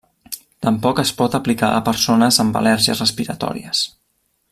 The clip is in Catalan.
Tampoc es pot aplicar a persones amb al·lèrgies respiratòries.